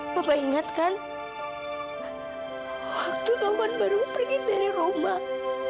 mama ingatkan waktu taufan baru pergi dari rumah